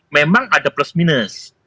memang ada plus minus